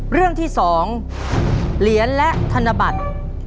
เรื่องที่๒เหรียญและธนบัตร